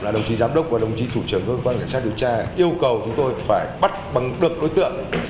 đồng chí giám đốc và đồng chí thủ trưởng cơ quan cảnh sát điều tra yêu cầu chúng tôi phải bắt bằng được đối tượng